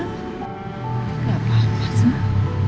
gak apa apa sah